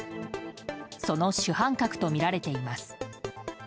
その主犯格とみられています。